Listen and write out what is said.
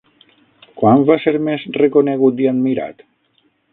Quan va ser més reconegut i admirat?